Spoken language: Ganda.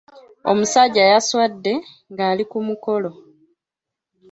Omusajja yaswadde ng'ali ku mukolo.